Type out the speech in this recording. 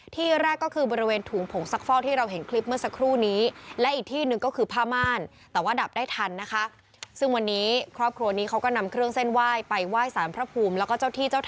ที่แรกก็คือบริเวณถุงผงซักฟอกที่เราเห็นคลิปเมื่อสักครู่นี้